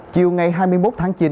chiều ngày hai mươi một tháng chín